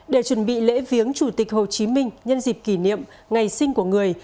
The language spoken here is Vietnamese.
để chuẩn bị lễ viếng chủ tịch hồ chí minh nhân dịp kỷ niệm ngày sinh của người